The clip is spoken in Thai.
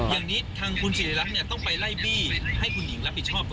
อย่างนี้ทางคุณสิริรักษ์ต้องไปไล่บี้ให้คุณหญิงรับผิดชอบตัว